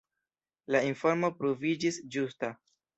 La informo pruviĝis ĝusta.